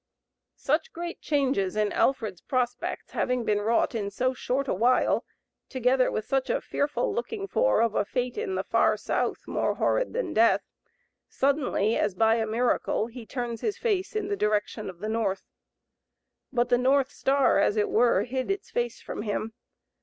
Such great changes in Alfred's prospects having been wrought in so short a while, together with such a fearful looking for of a fate in the far South more horrid than death, suddenly, as by a miracle, he turns his face in the direction of the North. But the North star, as it were, hid its face from him.